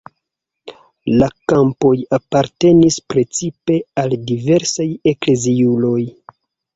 La kampoj apartenis precipe al diversaj ekleziuloj.